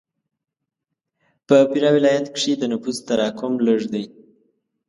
په فراه ولایت کښې د نفوس تراکم لږ دی.